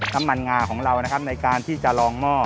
งาของเรานะครับในการที่จะลองหม้อ